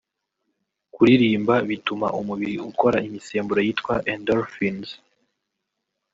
Kuririmba bituma umubiri ukora imisemburo yitwa endorphins